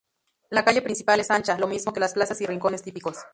La calle principal es ancha, lo mismo que las plazas y rincones típicos.